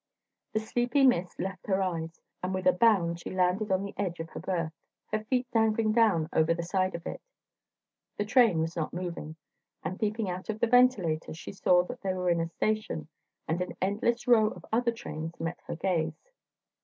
The sleepy mist left her eyes, and with a bound she landed on the edge of her berth, her feet dangling down over the side of it. The train was not moving, and peeping out of the ventilator, she saw that they were in a station, and an endless row of other trains met her gaze.